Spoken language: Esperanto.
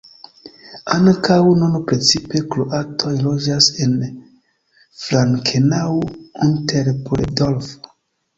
Ankaŭ nun precipe kroatoj loĝas en Frankenau-Unterpullendorf.